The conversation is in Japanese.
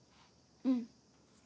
うん。